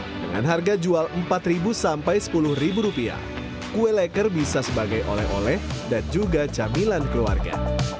dengan harga jual rp empat sampai sepuluh rupiah kue leker bisa sebagai oleh oleh dan juga camilan keluarga